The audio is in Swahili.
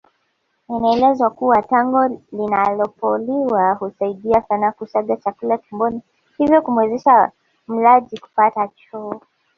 Inaelezwa kuwa tango linapoliwa husaidia sana kusaga chakula tumboni hivyo kumuwezesha mlaji kupata choo